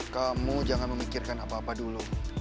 kamu jangan memikirkan apa apa dulu